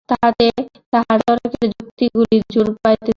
তাহাতে তাঁহার তর্কের যুক্তিগুলি জোর পাইতেছিল না।